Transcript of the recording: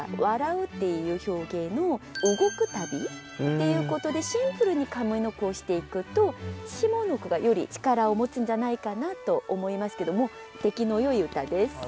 「笑う」っていう表現を「動く度」っていうことでシンプルに上の句をしていくと下の句がより力を持つんじゃないかなと思いますけども出来のよい歌です。